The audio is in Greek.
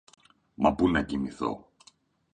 Μα πού να κοιμηθώ!